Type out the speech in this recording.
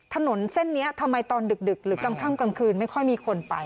ถนนเส้นนี้ทำไมตอนดึกหรือกลางค่ำกลางคืนไม่ค่อยมีคนไป